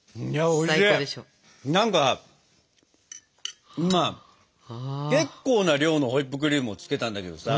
何か今結構な量のホイップクリームを付けたんだけどさ